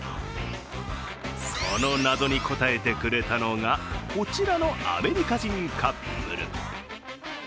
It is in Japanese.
その謎に答えてくれたのが、こちらのアメリカ人カップル。